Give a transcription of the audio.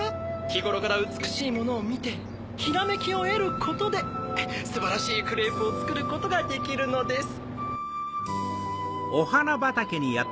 ひごろからうつくしいものをみてひらめきをえることですばらしいクレープをつくることができるのです。